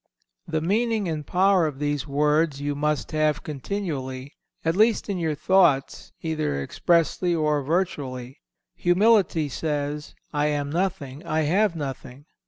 The meaning and power of these words you must have continually, at least in your thoughts either expressly or virtually. Humility says, "I am nothing, I have nothing."